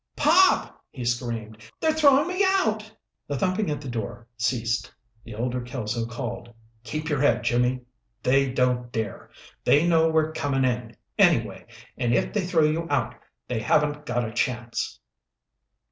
"Pop!" he screamed. "They're throwing me out!" The thumping at the door ceased. The elder Kelso called, "Keep your head, Jimmy. They don't dare. They know we're comin' in, anyway, and if they throw you out they haven't got a chance."